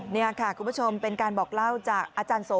นี่ค่ะคุณผู้ชมเป็นการบอกเล่าจากอาจารย์โส